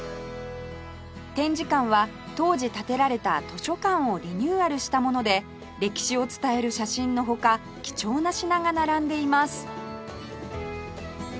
展示館は当時建てられた図書館をリニューアルしたもので歴史を伝える写真の他貴重な品が並んでいます